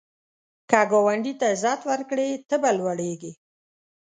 که ګاونډي ته عزت ورکړې، ته به لوړیږې